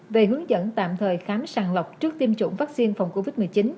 về hướng dẫn tạm thời khám sàng lọc trước tiêm chủng vaccine phòng covid một mươi chín